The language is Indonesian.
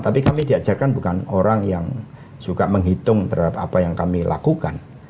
tapi kami diajarkan bukan orang yang juga menghitung terhadap apa yang kami lakukan